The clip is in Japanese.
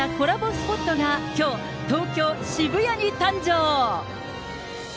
スポットがきょう、東京・渋谷に誕生。